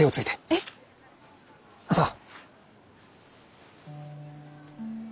えっ？さあ。